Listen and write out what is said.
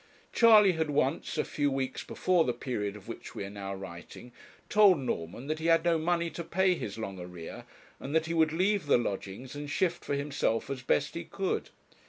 Charley had once, a few weeks before the period of which we are now writing, told Norman that he had no money to pay his long arrear, and that he would leave the lodgings and shift for himself as best he could.